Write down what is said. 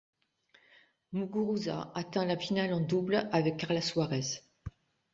Muguruza atteint la finale en double avec Carla Suárez.